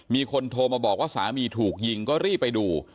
มีคนโทรมาบอกว่าสามีถูกยิงก็รีบไปดู